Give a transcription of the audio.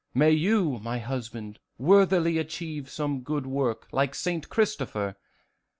May you, my husband, worthily achieve some good work, like St. Christopher!"